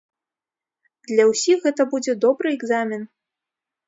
Для ўсіх гэта будзе добры экзамен.